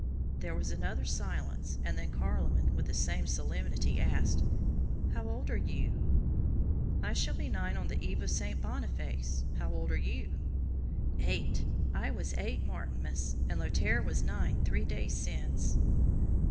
There was another silence, and then Carloman, with the same solemnity, asked, "How old are you?" "I shall be nine on the eve of St. Boniface. How old are you?" "Eight. I was eight at Martinmas, and Lothaire was nine three days since."